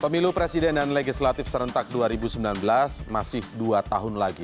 pemilu presiden dan legislatif serentak dua ribu sembilan belas masih dua tahun lagi